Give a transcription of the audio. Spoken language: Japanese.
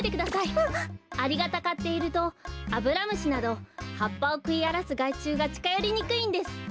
アリがたかっているとアブラムシなどはっぱをくいあらすがいちゅうがちかよりにくいんです。